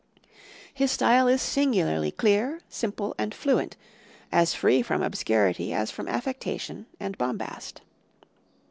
His style is singularly clear, simple, and fluent, as free from obscurity as from affectation and bombast.